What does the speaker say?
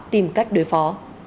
tìm cách đối phó